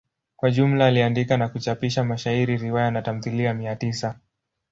Kwa jumla aliandika na kuchapisha mashairi, riwaya na tamthilia mia tisa.